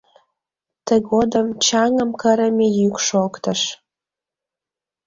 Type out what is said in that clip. Тыгодым чаҥым кырыме йӱк шоктыш.